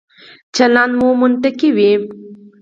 چلند مو منطقي وي.